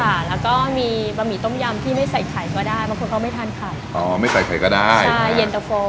ค่ะแล้วก็มีบะหมี่ต้มยำที่ไม่ใส่ไข่ก็ได้บางคนเขาไม่ทานไข่อ๋อ